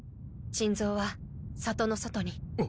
珍蔵は里の外に。